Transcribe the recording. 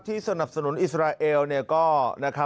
ที่สนับสนุนอิสราเอลเนี่ย